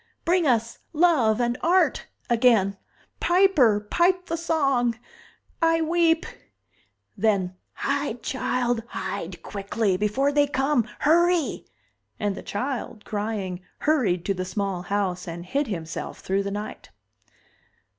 Bring us love and art again! Piper, pipe the song! I weep!" Then: "Hide, child, hide quickly! Before they come! Hurry!" And the child, crying, hurried to the small house and hid himself thru the night.